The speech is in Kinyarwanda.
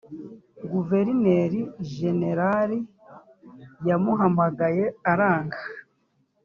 guverineri jenerari yamuhamagaye aranga